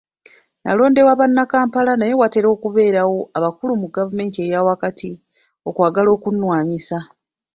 Nalondebwa bannakampala naye watera okubeerawo abakulu mu gavumenti eyawakati okwagala okunwanyisa.